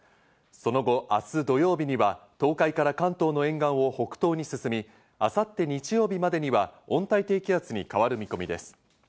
その後、明日土曜日には東海から関東の沿岸を北東に進み、明後日、日曜日までには温帯低気圧に変わる見込みです。